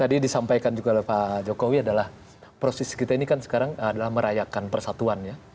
tadi disampaikan juga oleh pak jokowi adalah proses kita ini kan sekarang adalah merayakan persatuan ya